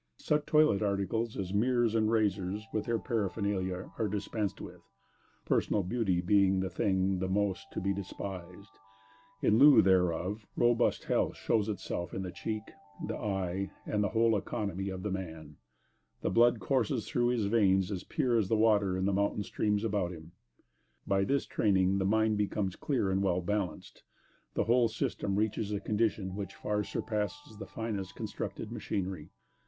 Such toilet articles as mirrors and razors, with their paraphernalia, are dispensed with, personal beauty being a thing the most to be despised. In lieu thereof, robust health shows itself in the cheek, the eye, and the whole economy of the man. The blood courses through his veins as pure as the water in the mountain streams about him. By this training, the mind becomes clear and well balanced, and the whole system reaches a condition which far surpasses the finest constructed machinery.